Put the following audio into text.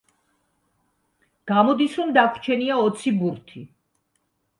გამოდის, რომ დაგვრჩენია ოცი ბურთი.